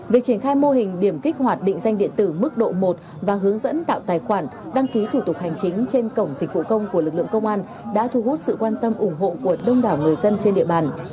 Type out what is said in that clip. việc triển khai mô hình điểm kích hoạt định danh điện tử mức độ một và hướng dẫn tạo tài khoản đăng ký thủ tục hành chính trên cổng dịch vụ công của lực lượng công an đã thu hút sự quan tâm ủng hộ của đông đảo người dân trên địa bàn